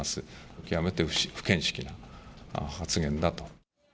極めて不見識な発言だと。